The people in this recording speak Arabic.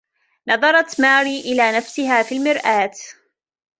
نظرت ماري إلى نفسها في المرآة.